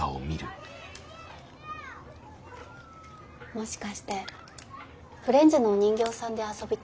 もしかしてフレンズのお人形さんで遊びたいのかな？